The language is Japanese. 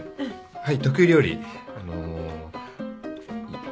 はい。